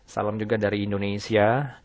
salam juga dari indonesia